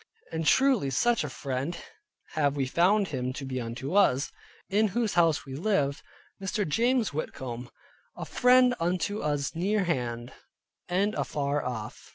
And truly such a friend have we found him to be unto us, in whose house we lived, viz. Mr. James Whitcomb, a friend unto us near hand, and afar off.